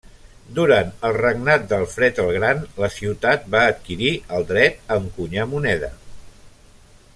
Durant el regnat d'Alfred el Gran la ciutat va adquirir el dret a encunyar moneda.